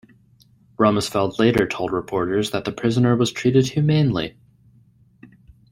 Rumsfeld later told reporters that the prisoner was treated humanely.